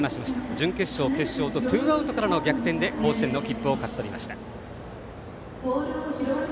準決勝、決勝とツーアウトからの逆転で甲子園の切符を勝ち取りました。